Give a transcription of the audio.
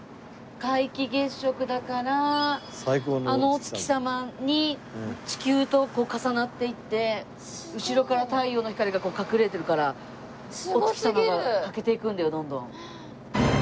皆既月食だからあのお月様に地球とこう重なっていって後ろから太陽の光が隠れてるからお月様が欠けていくんだよどんどん。